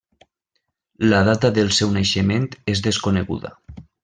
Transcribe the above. La data del seu naixement és desconeguda.